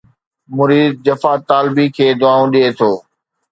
مريد جفا طالبي کي دعائون ڏئي ٿو